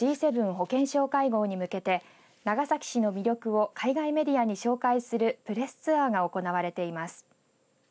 保健相会合に向けて長崎市の魅力を海外メディアに紹介するプレスツアーが行われています。